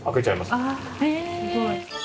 すごい。